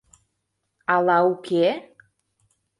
Ала «уке»?